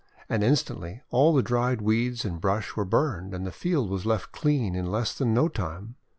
And instantly all the dried weeds and brush were burned, and the field was left clean in less than no time.